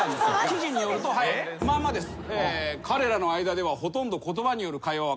記事によるとまんまです。